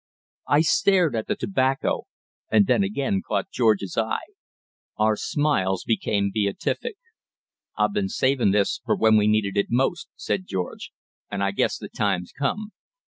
I stared at the tobacco, and then again caught George's eye. Our smiles became beatific. "I've been savin' this for when we needed it most," said George. "And I guess the time's come."